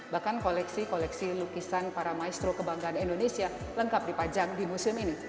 bahkan koleksi koleksi lukisan para maestro kebanggaan indonesia lengkap dipajang di museum ini